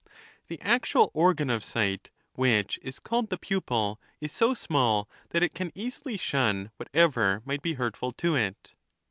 The actual organ of sight, which is called the pupil, is so small that it can easily shun what ever might be hurtful to it.